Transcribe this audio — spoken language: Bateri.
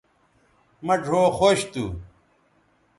مہ ڙھؤ خوش تھو